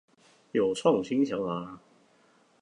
有創新想法